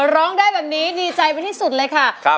ร้องได้แบบนี้ดีใจไปที่สุดเลยค่ะ